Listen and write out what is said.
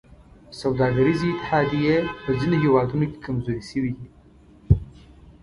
سوداګریزې اتحادیې په ځینو هېوادونو کې کمزورې شوي دي